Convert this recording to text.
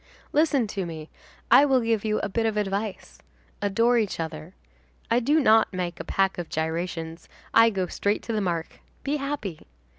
Listen to me; I will give you a bit of advice: Adore each other. I do not make a pack of gyrations, I go straight to the mark, be happy.